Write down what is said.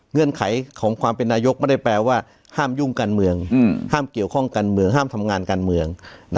เงื่อนไขของความเป็นนายกไม่ได้แปลว่าห้ามยุ่งการเมืองห้ามเกี่ยวข้องการเมืองห้ามทำงานการเมือง